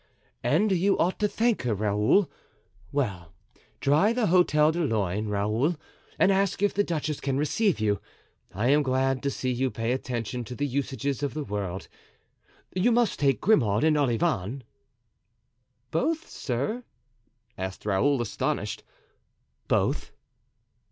"And you ought to thank her, Raoul. Well, try the Hotel de Luynes, Raoul, and ask if the duchess can receive you. I am glad to see you pay attention to the usages of the world. You must take Grimaud and Olivain." "Both, sir?" asked Raoul, astonished. "Both."